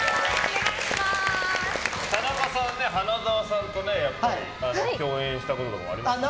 田中さん、花澤さんと共演したことがありますよね。